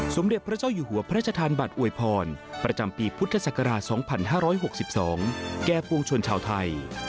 สมเด็จพระเจ้าอยู่หัวพระราชทานบัตรอวยพรประจำปีพุทธศักราช๒๕๖๒แก่ปวงชนชาวไทย